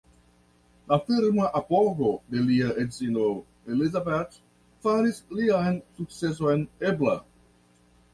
La firma apogo de lia edzino Elizabeth faris lian sukceson ebla.